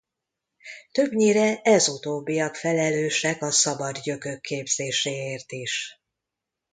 Többnyire ez utóbbiak felelősek a szabad gyökök képzéséért is.